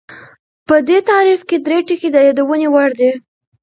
په دې تعریف کې درې ټکي د یادونې وړ دي